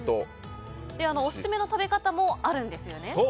オススメの食べ方もあるんですよね。